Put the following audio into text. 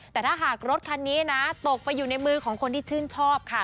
แต่ถ้าหากรถคันนี้นะตกไปอยู่ในมือของคนที่ชื่นชอบค่ะ